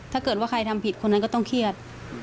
ถ้าเกิดว่าใครทำผิดคนนั้นก็ต้องเครียด